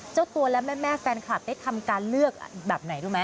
เจ้าตัวและแม่แฟนคลับได้ทำการเลือกแบบไหนรู้ไหม